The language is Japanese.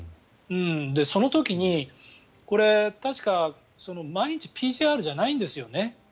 その時に、確か毎日ＰＣＲじゃないんですよね。